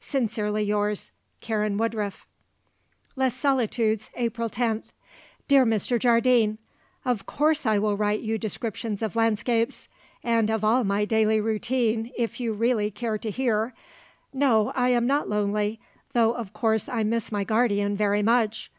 Sincerely yours, "Karen Woodruff." "Les Solitudes, "April 10th. "Dear Mr. Jardine, Of course I will write you descriptions of landscapes! and of all my daily routine, if you really care to hear. No; I am not lonely, though of course I miss my guardian very much.